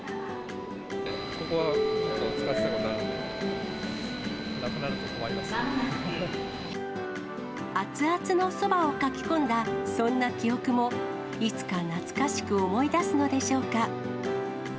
ここはよく使っていたので、熱々のそばをかきこんだ、そんな記憶もいつか懐かしく思い出すのでしょうか。